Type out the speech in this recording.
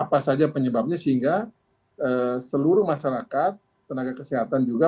apa saja penyebabnya sehingga seluruh masyarakat tenaga kesehatan juga